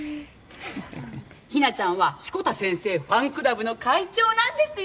日菜ちゃんは志子田先生ファンクラブの会長なんですよ。